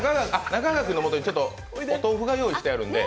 中川君のもとにお豆腐が用意してあるんで。